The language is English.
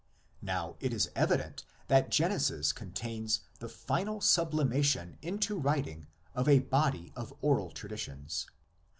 Now it is evident that Genesis contains the final sublimation into writing of a body of oral traditions.